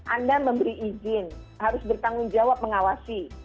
anda memberi izin harus bertanggung jawab mengawasi